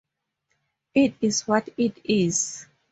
It is what it is.